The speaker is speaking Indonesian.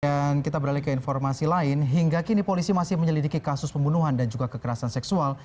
dan kita beralih ke informasi lain hingga kini polisi masih menyelidiki kasus pembunuhan dan juga kekerasan seksual